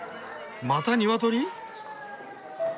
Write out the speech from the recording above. またニワトリ？